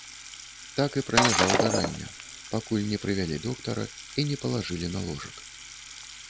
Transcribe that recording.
Так і праляжаў да рання, пакуль не прывялі доктара і не палажылі на ложак.